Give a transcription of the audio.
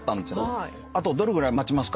あとどれぐらい待ちますか？